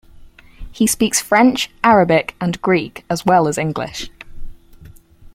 He speaks French, Arabic, and Greek as well as English.